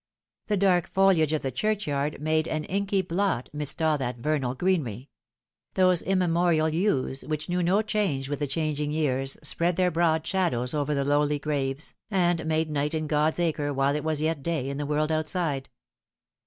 The dark foliage of the churchyard made an inky blot midst all that vernal greenery. Those immemorial yews, which knew no change with the changing years, spread their broad shadows over the lowly graves, and made night in God's acre while it was yet day in the world outside.